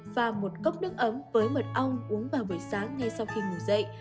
và một cốc nước ấm với mật ong uống vào buổi sáng ngay sau khi ngủ dậy